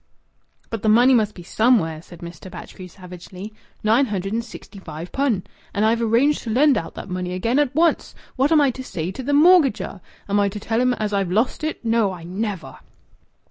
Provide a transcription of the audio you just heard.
"But th' money must be somewhere," said Mr. Batchgrew savagely. "Nine hundred and sixty five pun. And I've arranged to lend out that money again, at once! What am I to say to th' mortgagor? Am I to tell him as I've lost it?... No! I never!"